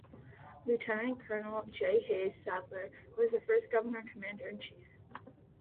Lieutenant Colonel J. Hayes Sadler was the first governor and commander in chief.